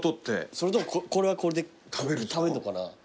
それともこれはこれで食べんのかな？